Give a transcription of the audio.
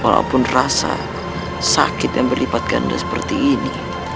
walaupun rasa sakit yang berlipat ganda seperti ini